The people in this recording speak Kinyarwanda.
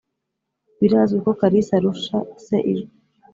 birazwi ko karisa arusha se ijwi.